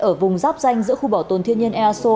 ở vùng dắp danh giữa khu bảo tồn thiên nhiên eso